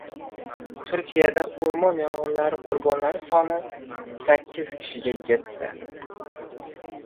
Turkiyada o‘rmon yong‘inlari qurbonlari soni sakkiz kishiga yetdi.